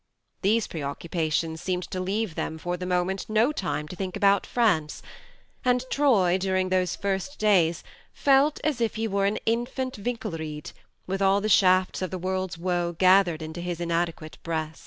These preoccupations seemed to leave them, for the moment, no time to think about France ; and Troy, during those first days, felt as if he were an infant Winkelried, with all the shafts of the world's woe gathered into his inadequate breast.